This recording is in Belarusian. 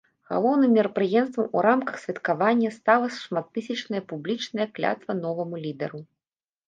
Галоўным мерапрыемствам у рамках святкавання стала шматтысячная публічная клятва новаму лідару.